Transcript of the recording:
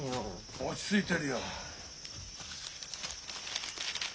落ち着いてるよ。